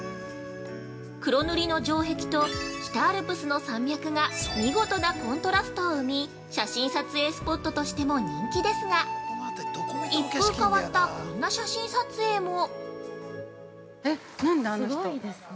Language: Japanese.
黒塗りの城壁と北アルプスの山脈が見事なコントラストを生み、写真撮影スポットとしても人気ですが一風変わったこんな写真撮影も。